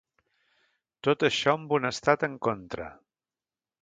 Tot això amb un estat en contra.